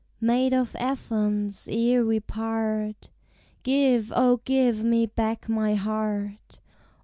Maid of Athens, ere we part, Give, O, give me back my heart!